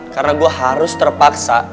karena gue harus terpaksa